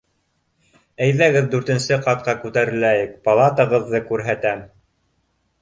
Әйҙәгеҙ, дүртенсе ҡатҡа күтәреләйек, палатағыҙҙы күрһәтәм.